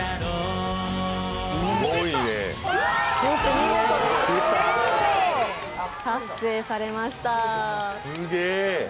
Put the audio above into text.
見事１００点達成されました。